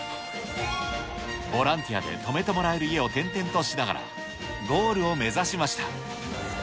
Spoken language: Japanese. ボランティアで泊めてもらえる家を転々としながらゴールを目指しました。